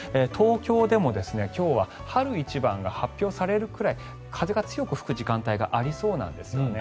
東京でも今日は春一番が発表されるくらい風が強く吹く時間帯がありそうなんです。